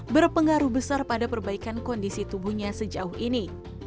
berpengaruh besar pada perbaikan kondisi tubuhnya sejauh ini